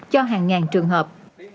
cho hàng ngàn trường hợp